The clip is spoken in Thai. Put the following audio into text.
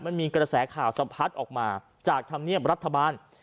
มันมีกระแสข่าวสะพัดออกมาจากธรรมเนียบรัฐบาล